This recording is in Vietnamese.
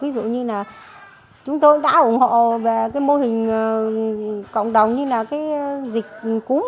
ví dụ như là chúng tôi đã ủng hộ về cái mô hình cộng đồng như là cái dịch cúm